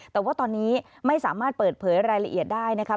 แต่ว่าตอนนี้ไม่สามารถเปิดเผยรายละเอียดได้นะครับ